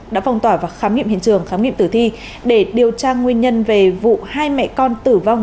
đã phong tỏa và khám nghiệm hiện trường khám nghiệm tử thi để điều tra nguyên nhân về vụ hai mẹ con tử vong